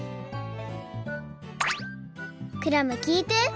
クラムきいて。